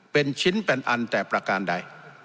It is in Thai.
เป็นชิ้นเป็นอันแต่ประการใด